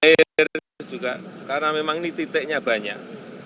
air juga karena memang ini titiknya banyak